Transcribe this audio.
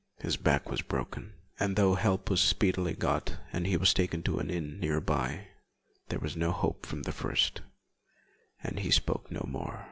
His back was broken; and though help was speedily got and he was taken to an inn near by, there was no hope from the first, and he spoke no more.